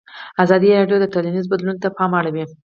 ازادي راډیو د ټولنیز بدلون ته پام اړولی.